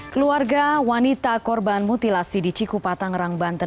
keluarga wanita korban mutilasi di cikupatang rangbanten